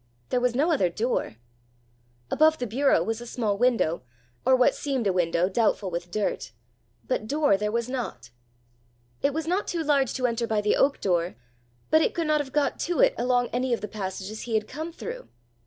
There was no other door! Above the bureau was a small window, or what seemed a window doubtful with dirt; but door there was not! It was not too large to enter by the oak door, but it could not have got to it along any of the passages he had come through!